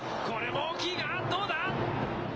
これも大きいが、どうだ？